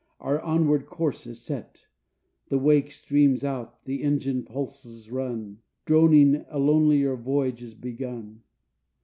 Our onward course is set, The wake streams out, the engine pulses run Droning, a lonelier voyage is begun.